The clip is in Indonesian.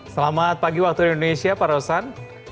selamat pagi waktu indonesia pak rosan